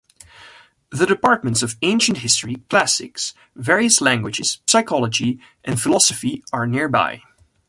The departments of Ancient History, Classics, various languages, Psychology and Philosophy are nearby.